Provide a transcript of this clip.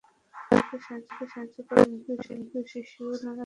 পরিবারকে সাহায্য করার জন্য অধিকাংশ শিশুও নানা ঝুঁকিপূর্ণ পেশায় জড়িত হয়ে পড়ছে।